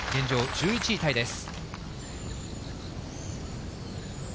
１１位タイです。